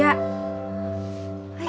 ayah kan masih sakit ya